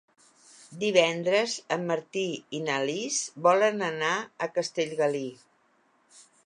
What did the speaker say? Divendres en Martí i na Lis volen anar a Castellgalí.